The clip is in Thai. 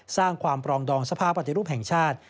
สร้างความปรองดองสภาพปฏิรูปแห่งชาติ